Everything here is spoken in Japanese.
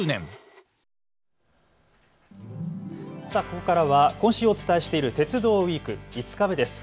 ここからは今週お伝えしている鉄道ウイーク、５日目です。